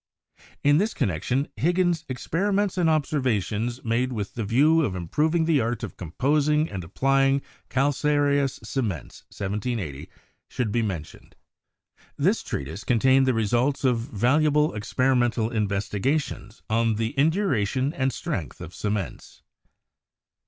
In this connection, Higgins' 'Experiments and Observations made with the view of Improving the Art of composing and applying Calcareous Cements' (1780) should be mentioned. This treatise contained the results of valuable experimental in vestigations on the induration and strength of cements.